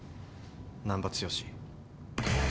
難破剛。